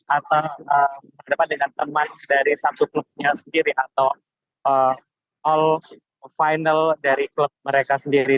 atau berhadapan dengan teman dari satu klubnya sendiri atau all final dari klub mereka sendiri